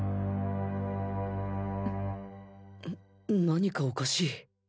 何かおかしい。